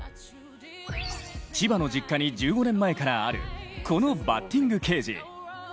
千葉の実家に１５年前からあるこのバッティングケージ。